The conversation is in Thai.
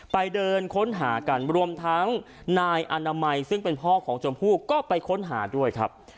ไปเดินค้นหากันรวมทั้งนายอนามัยซึ่งเป็นพ่อของชมพู่ก็ไปค้นหาด้วยครับ